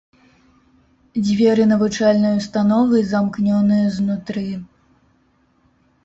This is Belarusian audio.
Дзверы навучальнай установы замкнёныя знутры.